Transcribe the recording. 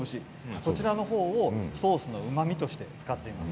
これをソースのうまみとして使っています。